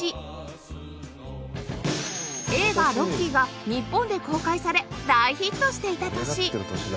映画『ロッキー』が日本で公開され大ヒットしていた年